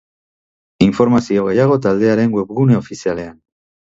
Informazio gehiago, taldearen webgune ofizialean.